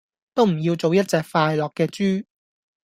都唔要做一隻快樂既豬